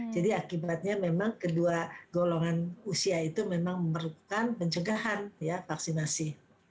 jadi akibatnya memang kedua golongan usia itu memang memerlukan pencegahan ya vaksinasi